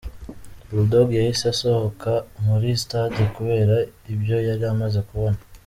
Bull Dogg yahise asohoka muri stade kubera ibyo yari amaze kubona.